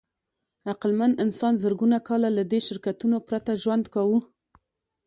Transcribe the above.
عقلمن انسان زرګونه کاله له دې شرکتونو پرته ژوند کاوه.